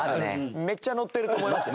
めっちゃのってると思いますよ。